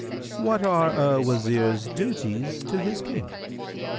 Q "What are a Wazir's duties to his King?"